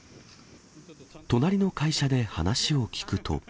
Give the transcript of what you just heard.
隣の会社で話を聞くと。